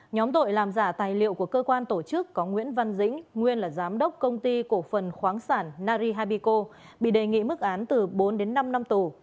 nhóm tội làm giả tài liệu của cơ quan tổ chức có nguyễn văn dĩnh nguyên là giám đốc công ty cổ phần khoáng sản nari habico bị đề nghị mức án từ bốn đến năm năm tù